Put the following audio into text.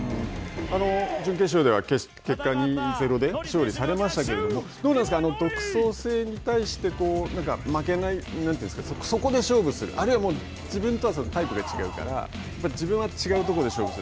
準決勝では結果２−０で勝利されましたけど、どうなんですか、独創性に対して負けない、そこで勝負する、あるいは自分とはタイプが違うから、自分は違うところで勝負する。